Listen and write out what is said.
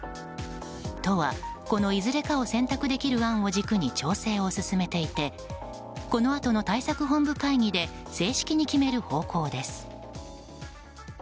都はこのいずれかを選択できる案を軸に調整を進めていてこのあとの対策本部会議で正式に決める方向です。